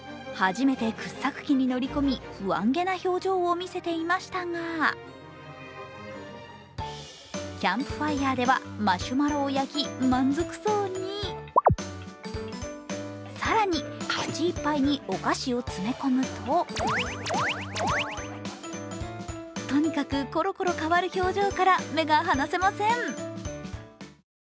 初めて掘削機に乗り込み、不安げな表情を見せていましたが、キャンプファイアではマシュマロを焼き満足そうに更に、口いっぱいにお菓子を詰め込むととにかくころころ変わる表情から目が離せません。